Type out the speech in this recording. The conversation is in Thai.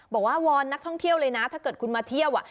วอนนักท่องเที่ยวเลยนะถ้าเกิดคุณมาเที่ยว